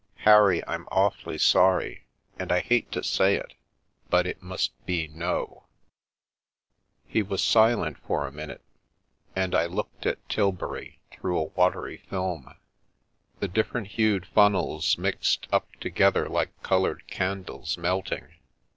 " Harry, I'm awfully sorry, and I bate to say it, but it must be ' no/ " He was silent for a minute, and I looked at Tilbury through a watery film, the different hued funnels mixed up together like coloured candles melting.